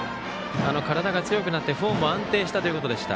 体が強くなってフォームが安定したということでした。